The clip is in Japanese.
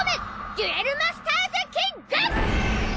『デュエル・マスターズキング！』。